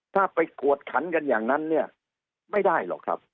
ถ้าไปกวดขันกันอย่างนั้นเนี่ยไม่ได้หรอกครับ